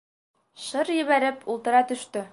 Шыр ебәреп, ултыра төштө.